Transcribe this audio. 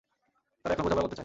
তারা এখন বোঝাপড়া করতে চায়।